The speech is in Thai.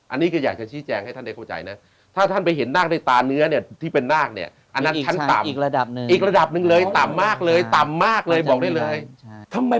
อันนี้ก็อยากจะชี้แจงให้ท่านได้เข้าใจนะถ้าท่านไปเห็นหน้าในตาเนื้อเนี่ยที่เป็นหน้าเนี่ยอันนั้นอีกระดับหนึ่งเลยต่ำมากเลยต่ำมากเลยบอกได้เลย